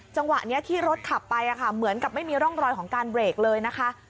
จังหวะนี้ที่รถขับไปเหมือนกับไม่มีร่องรอยของการเบรกเลยนะคะ